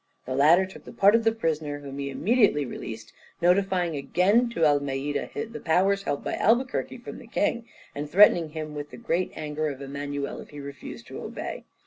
The latter took the part of the prisoner, whom he immediately released, notifying again to Almeida the powers held by Albuquerque from the king, and threatening him with the great anger of Emmanuel if he refused to obey.